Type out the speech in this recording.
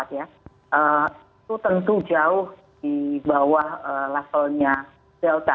itu tentu jauh di bawah levelnya delta